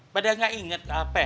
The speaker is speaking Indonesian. padahal gak inget